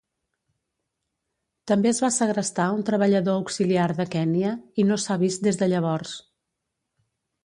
També es va segrestar un treballador auxiliar de Kenya i no s'ha vist des de llavors.